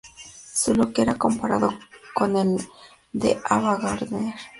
Su look era comparado con el de Ava Gardner.